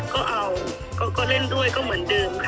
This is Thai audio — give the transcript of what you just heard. ก็เอาก็เล่นด้วยก็เหมือนเดิมค่ะ